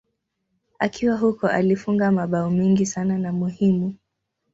Akiwa huko alifunga mabao mengi sana na muhimu.